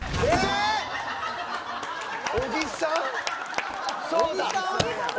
小木さん？